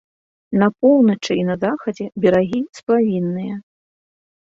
На поўначы і на захадзе берагі сплавінныя.